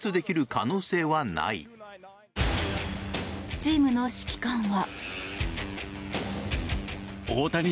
チームの指揮官は。